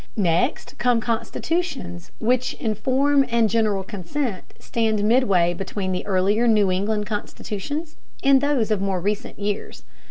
Next come constitutions which in form and general content stand midway between the earlier New England constitutions and those of more recent years.